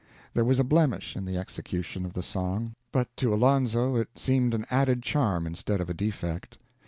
There was a blemish in the execution of the song, but to Alonzo it seemed an added charm instead of a defect.